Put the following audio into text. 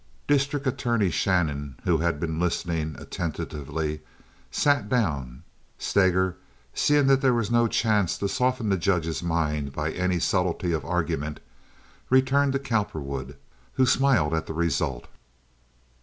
District Attorney Shannon, who had been listening attentively, sat down. Steger, seeing there was no chance to soften the judge's mind by any subtlety of argument, returned to Cowperwood, who smiled at the result.